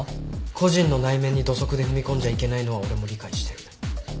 個人の内面に土足で踏み込んじゃいけないのは俺も理解してる。